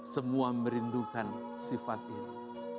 semua merindukan sifat itu